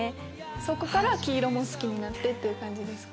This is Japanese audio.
そこから黄色も好きになってっていう感じですか？